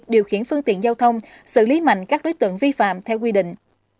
điều khiển phương tiện giao thông xử lý mạnh các đối tượng vi phạm theo quy định